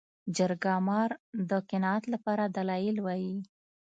جرګه مار د قناعت لپاره دلایل وايي